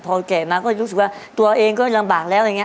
พอแก่มาก็รู้สึกว่าตัวเองก็ลำบากแล้ว